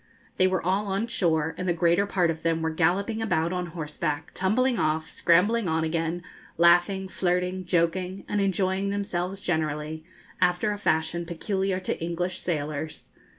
They were all on shore, and the greater part of them were galloping about on horseback, tumbling off, scrambling on again, laughing, flirting, joking, and enjoying themselves generally after a fashion peculiar to English sailors.